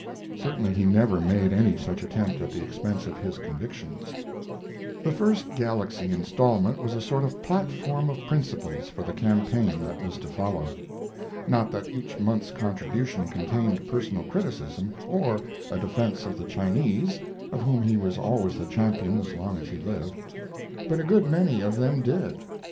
Certainly he never made any such attempt at the expense of his convictions. The first Galaxy instalment was a sort of platform of principles for the campaign that was to follow. Not that each month's contribution contained personal criticism, or a defense of the Chinese (of whom he was always the champion as long as he lived), but a good many of them did.